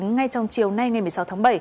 ngay trong chiều nay ngày một mươi sáu tháng bảy